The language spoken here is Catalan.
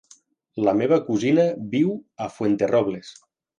La meva cosina viu a Fuenterrobles.